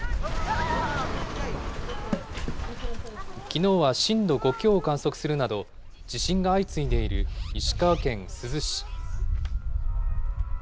きのうは震度５強を観測するなど、地震が相次いでいる石川県珠洲市。